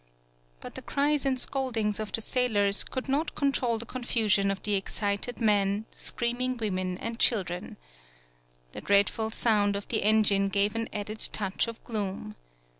But the cries and scoldings of the sail ors could not control the confusion of the excited men, screaming women and children. The dreadful sound oF the engine gave an added touch of gloom.